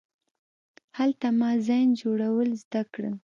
هلته ما زین جوړول زده کړل.